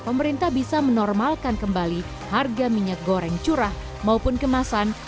pemerintah bisa menormalkan kembali harga minyak goreng curah maupun kemasan